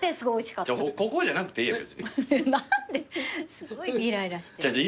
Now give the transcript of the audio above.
すごいイライラして。